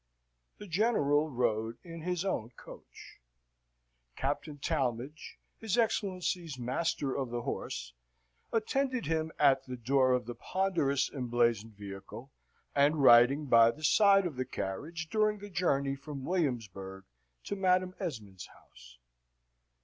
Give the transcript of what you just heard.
The General rode in his own coach. Captain Talmadge, his Excellency's Master of the Horse, attended him at the door of the ponderous emblazoned vehicle, and riding by the side of the carriage during the journey from Williamsburg to Madam Esmond's house.